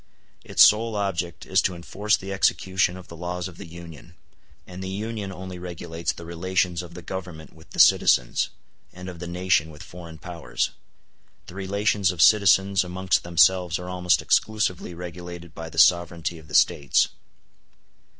Its sole object is to enforce the execution of the laws of the Union; and the Union only regulates the relations of the Government with the citizens, and of the nation with Foreign Powers: the relations of citizens amongst themselves are almost exclusively regulated by the sovereignty of the States.